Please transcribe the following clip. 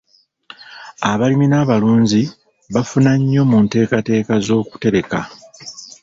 Abalimi n'abalunzi bafuna nnyo mu nteekateeka z'okutereka